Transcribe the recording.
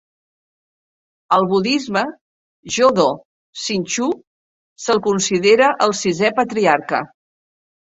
Al budisme Jodo Shinshu, se'l considera el sisè patriarca.